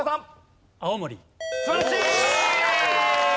素晴らしい！